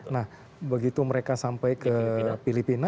nah begitu mereka sampai ke filipina